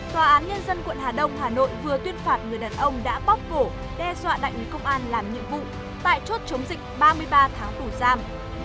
tòa án nhân dân quận hà đông hà nội vừa tuyên phạt người đàn ông đã bóc cổ đe dọa đại lý công an làm nhiệm vụ tại chốt chống dịch ba mươi ba tháng tù giam